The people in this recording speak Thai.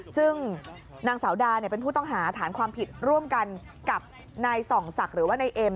ซึ่งนางสาวดาเป็นผู้ต้องหาฐานความผิดร่วมกันกับนายส่องศักดิ์หรือว่านายเอ็ม